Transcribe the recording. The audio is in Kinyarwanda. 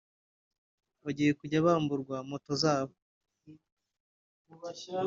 bagiye kujya bamburwa moto zabo